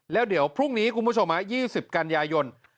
แล้วเดี๋ยวพรุ่งนี้คุณผู้ชม๒๐กันยายน